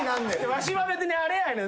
わしはあれやねん。